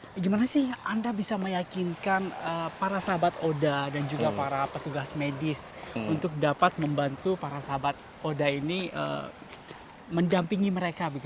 bagaimana sih anda bisa meyakinkan para sahabat oda dan juga para petugas medis untuk dapat membantu para sahabat oda ini mendampingi mereka